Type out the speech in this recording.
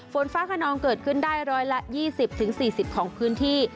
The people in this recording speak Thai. ฝนฟ้าขนองเกิดขึ้นได้๑๒๐๔๐ของพื้นที่